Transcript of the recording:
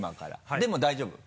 でも大丈夫？